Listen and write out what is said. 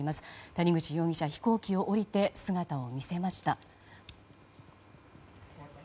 谷口容疑者、飛行機を降りて姿を見せました。